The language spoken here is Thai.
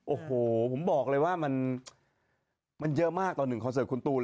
โอ้โหผมบอกเลยว่ามันเยอะมากต่อ๑คอนเสิร์ตคุณตูน